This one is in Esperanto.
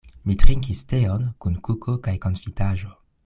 Mi trinkis teon kun kuko kaj konfitaĵo.